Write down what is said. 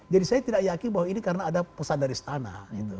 jadi saya tidak yakin bahwa ini karena ada pesan dari istana